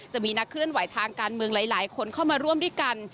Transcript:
จะมีนักเคลื่อนไหวทางการเมืองหลายคนเข้ามาร่วมด้วยกัน